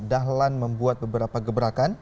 dahlan membuat beberapa gebrakan